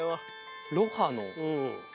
「ロハの」